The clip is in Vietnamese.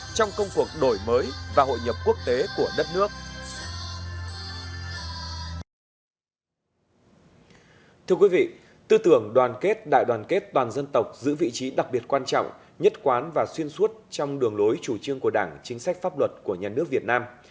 thưa quý vị tư tưởng đoàn kết đại đoàn kết toàn dân tộc giữ vị trí đặc biệt quan trọng nhất quán và xuyên suốt trong đường lối chủ trương của đảng chính sách pháp luật của nhà nước việt nam